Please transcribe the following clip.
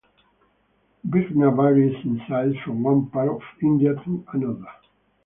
Bigha varies in size from one part of India to another.